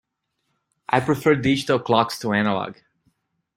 I prefer digital clocks to analog.